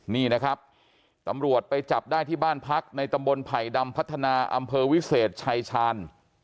นี่นะครับตำรวจไปจับได้ที่บ้านพักในตำบลไผ่ดำพัฒนาอำเภอวิเศษชายชาญ